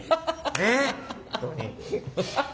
ねえ本当に。